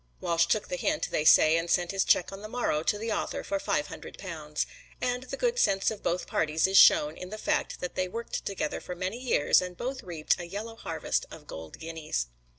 Walsh took the hint, they say, and sent his check on the morrow to the author for five hundred pounds. And the good sense of both parties is shown in the fact that they worked together for many years, and both reaped a yellow harvest of golden guineas.